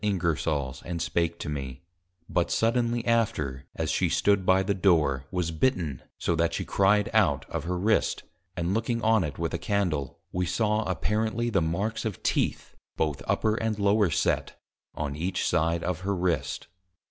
Ingersol's and spake to me; but suddenly after, as she stood by the Door, was bitten, so that she cried out of her Wrist, and looking on it with a Candle, we saw apparently the marks of Teeth, both upper and lower set, on each side of her Wrist.